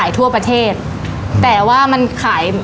พี่หมวยถึงได้ใจอ่อนมั้งค่ะ